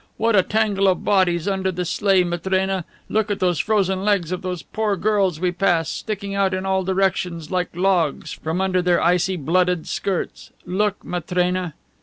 What a tangle of bodies under the sleigh, Matrena! Look at those frozen legs of those poor girls we pass, sticking out in all directions, like logs, from under their icy, blooded skirts. Look, Matrena!"